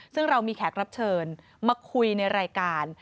ซึ่งเรามีแขกรับเชิญมาคุยในรายการ